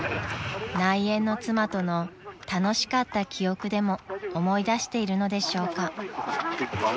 ［内縁の妻との楽しかった記憶でも思い出しているのでしょうか？］